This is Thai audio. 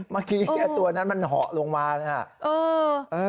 เมื่อกี้ตัวนั้นมันเหาะลงมานะ